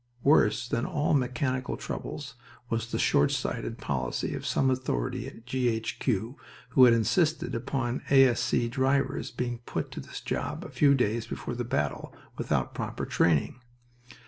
Worse than all mechanical troubles was the short sighted policy of some authority at G.H.Q., who had insisted upon A.S.C. drivers being put to this job a few days before the battle, without proper training.